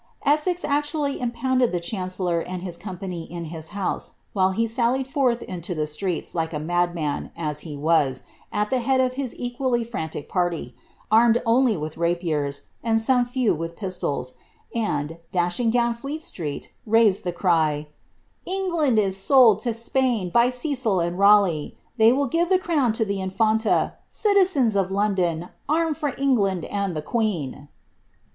^ Essex ac tually impounded the chancellor and his company in his house, while he sallieo forth into the streets like a madman, as he was, at the head of his equally frantic party, armed only with rapiers, and some few with pistols, and, dashing down Fleet Street, raised the cry, ^ England is sold to Spain by Cecil and Raleigh ! They will give the crown to the In fimta. Citizens of London, arm for England and the queen."'